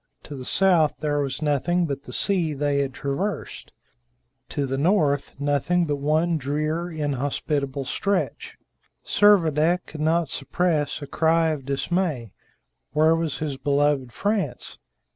To the south there was nothing but the sea they had traversed; to the north, nothing but one drear, inhospitable stretch. Servadac could not suppress a cry of dismay. Where was his beloved France?